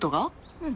うん。